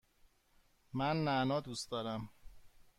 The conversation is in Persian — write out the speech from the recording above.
من نعنا دوست دارم.